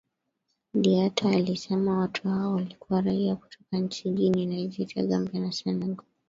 Diatta alisema watu hao walikuwa raia kutoka nchini Guinea, Nigeria, Gambia na Senegal